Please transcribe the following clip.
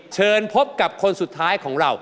เชิญพบกับคนสุดท้ายของเรา